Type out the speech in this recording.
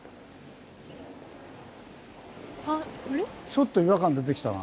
ちょっと違和感出てきたな。